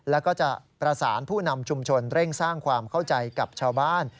แล้วก็จะประสานผู้นำชุมชนเร่งสร้างความเข้าใจกับชาวบ้าน